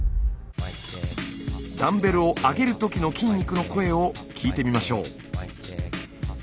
ダンベルを上げるときの筋肉の声を聞いてみましょう。